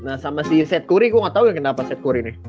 nah sama si seth curry gue gak tau kenapa seth curry nih